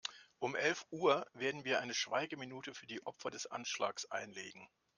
Um elf Uhr werden wir eine Schweigeminute für die Opfer des Anschlags einlegen.